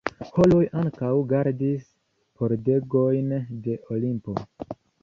Horoj ankaŭ gardis pordegojn de Olimpo.